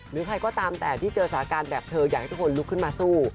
หรือใครก็ตามแต่ที่เจอสถานการณ์แบบเธออยากให้ทุกคนลุกขึ้นมาสู้